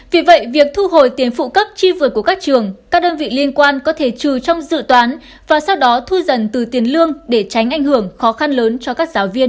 vì vậy việc thu hồi tiền phụ cấp chi vượt của các trường các đơn vị liên quan có thể trừ trong dự toán và sau đó thu dần từ tiền lương để tránh ảnh hưởng khó khăn lớn cho các giáo viên